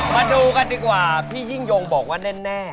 มาดูกันดีกว่าพี่ยิ่งยงบอกว่าแน่